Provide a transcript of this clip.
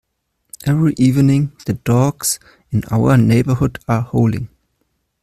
Every evening, the dogs in our neighbourhood are howling.